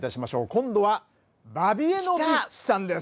今度はバビ江ノビッチさんです。